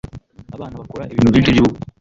Abana bakora ibintu byinshi byubupfu.